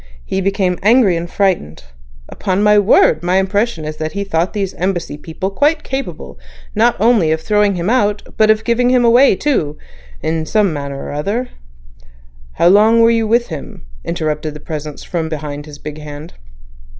He became angry and frightened. Upon my word, my impression is that he thought these Embassy people quite capable not only to throw him out but, to give him away too in some manner or other—" "How long were you with him," interrupted the Presence from behind his big hand.